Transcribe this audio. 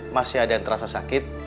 masih ada yang terasa sakit